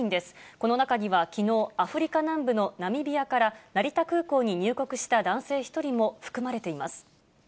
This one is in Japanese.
この中にはきのう、アフリカ南部のナミビアから成田空港に入国した男性１人も含まれています。